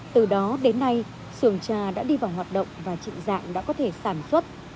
từ đó đến nay sườn trà đã đi vào hoạt động và trịnh dạng đã có thể sản xuất